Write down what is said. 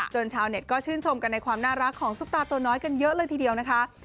ชาวเน็ตก็ชื่นชมกันในความน่ารักของซุปตาตัวน้อยกันเยอะเลยทีเดียวนะคะ